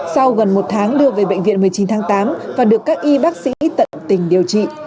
sau gần một tháng đưa về bệnh viện một mươi chín tháng tám và được các y bác sĩ tận tình điều trị